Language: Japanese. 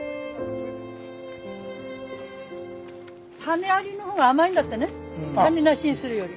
種ありの方が甘いんだってね種なしにするより。